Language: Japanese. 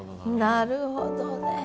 なるほどね。